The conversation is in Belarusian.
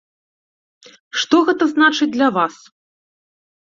Што гэта значыць для вас?